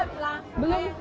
jadi kita butuh beli berapa